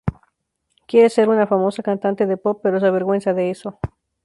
Quiere ser una famosa cantante de pop pero se avergüenza de eso.